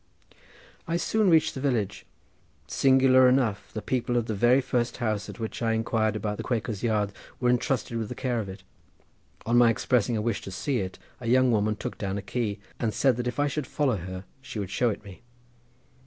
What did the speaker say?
I soon reached the village. Singularly enough, the people of the very first house, at which I inquired about the Quakers' Yard, were entrusted with the care of it. On my expressing a wish to see it a young woman took down a key, and said that if I would follow her she would show it me.